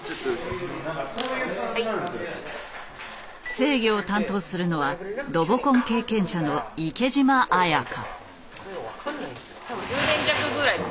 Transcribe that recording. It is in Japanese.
制御を担当するのはロボコン経験者の池嶋彩香。